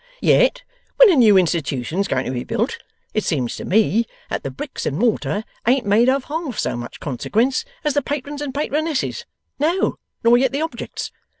Yet when a new Institution's going to be built, it seems to me that the bricks and mortar ain't made of half so much consequence as the Patrons and Patronesses; no, nor yet the objects.